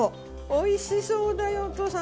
美味しそうだよお父さん！